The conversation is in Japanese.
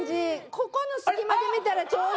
ここの隙間で見たらちょうど。